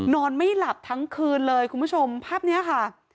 นอนไม่หลับทั้งคืนเลยคุณผู้ชมภาพนี้ค่ะ